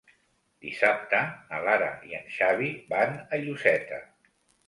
Dissabte na Lara i en Xavi van a Lloseta.